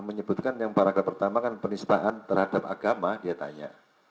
menyebutkan yang paraga pertama kan penistaan terhadap agama dia tanya